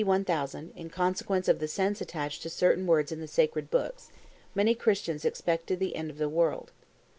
1000, in consequence of the sense attached to certain words in the Sacred Books, many Christians expected the end of the world.